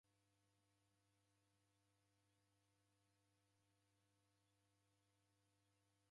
W'adaw'ana w'evutwa chaghu kwa wughade ghw'o